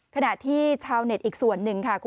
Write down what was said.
ขณะที่ชาวเน็ตอีกส่วนหนึ่งค่ะ